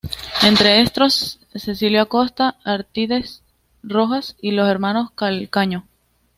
Entre estos, Cecilio Acosta, Arístides Rojas y los hermanos Calcaño.